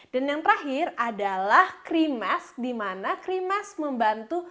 dan yang terakhir adalah cream mask dimana cream mask membantu